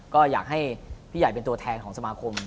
ก็อยากให้พี่ใหญ่เป็นตัวแทนของสมาคม